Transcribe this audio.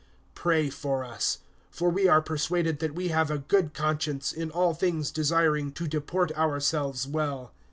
(18)Pray for us; for we are persuaded that we have a good conscience, in all things desiring to deport ourselves well.